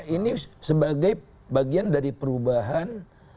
ini sebagai bagian dari perubahan